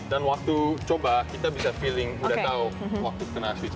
dan waktu coba kita bisa feeling udah tahu waktu kena sweet spot